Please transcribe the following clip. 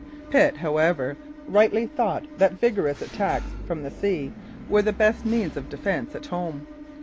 Pitt, however, rightly thought that vigorous attacks from the sea were the best means of defence at home.